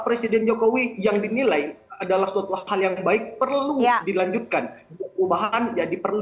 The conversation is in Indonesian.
presiden jokowi yang dinilai adalah suatu hal yang baik perlu dilanjutkan perubahan jadi perlu